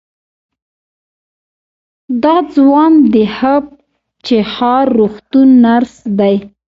دا ځوان د هه چه ښار روغتون نرس دی.